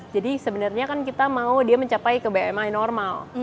jadi sebenarnya kan kita mau dia mencapai ke bmi normal